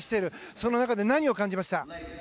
その中で何を感じました？